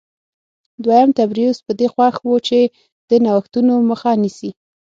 دویم تبریوس په دې خوښ و چې د نوښتونو مخه نیسي